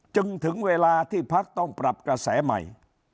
ถึงเวลาที่พักต้องปรับกระแสใหม่